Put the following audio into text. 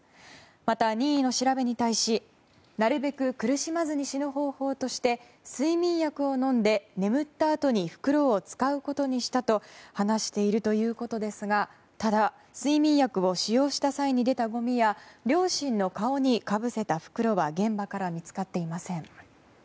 また、任意の調べに対しなるべく苦しまずに死ぬ方法として睡眠薬を飲んで眠ったあとに袋を使うことにしたと話しているということですがただ、睡眠薬を使用した際に出たごみや両親の顔にかぶせた袋は現場から見つかっていません。